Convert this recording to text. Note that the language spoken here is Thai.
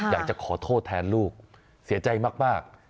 อยากจะขอโทษแทนลูกเสียใจมาก